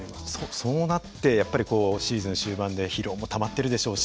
そうなってやっぱりシーズン終盤で疲労もたまってるでしょうし